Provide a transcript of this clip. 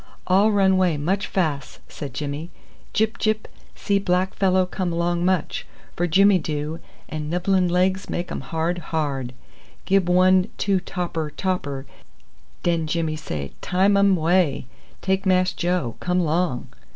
"All run way much fas," said Jimmy. "Gyp, Gyp, see black fellow come long much, for Jimmy do and nibblum legs make um hard hard. Gib one two topper topper, den Jimmy say time um way, take Mass Joe. Come long."